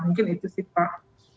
mungkin itu sih pak